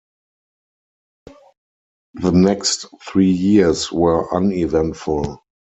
The next three years were uneventful.